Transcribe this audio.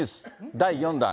第４弾。